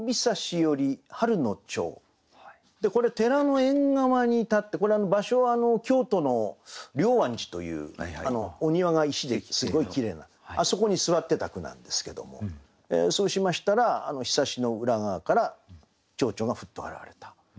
これ寺の縁側に立ってこれ場所は京都の龍安寺というお庭が石ですごいきれいなあそこに座ってた句なんですけどもそうしましたら庇の裏側から蝶々がふっと現れた。